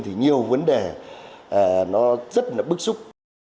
thì nhiều vấn đề nó rất là bức xúc